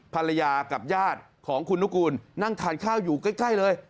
ภรรยากับญาติของคุณนุกูลนั่งทานข้าวอยู่ใกล้เลย